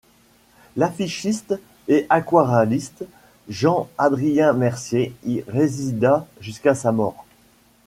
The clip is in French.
L'affichiste et aquarelliste Jean Adrien Mercier y résida jusqu'à sa mort.